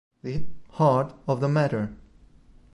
The Heart of the Matter